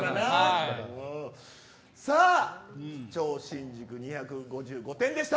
さあ、超新塾２５５点でした。